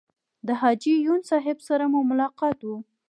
د حاجي یون صاحب سره مو ملاقات و.